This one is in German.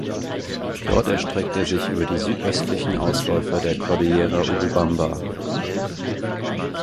Dort erstreckt er sich über die südöstlichen Ausläufer der Cordillera Urubamba.